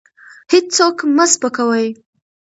هېڅوک مه سپکوئ.